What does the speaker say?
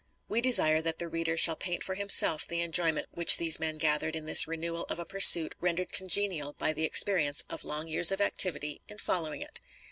We desire that the reader shall paint for himself the enjoyment which these men gathered in this renewal of a pursuit rendered congenial by the experience of long years of activity in following it.